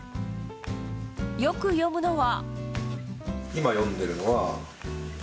良く読むのは。